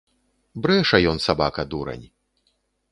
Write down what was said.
Брэша ён, сабака, дурань.